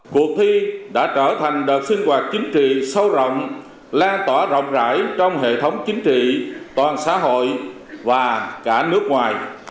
cuộc thi đã trở thành đợt sinh hoạt chính trị sâu rộng lan tỏa rộng rãi trong hệ thống chính trị toàn xã hội và cả nước ngoài